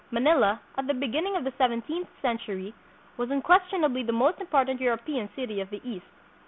Manila, at the beginning of the seventeenth century, was unquestionably the most important Euro pean city of the East.